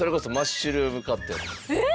えっ！